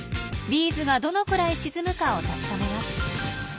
ビーズがどのくらい沈むかを確かめます。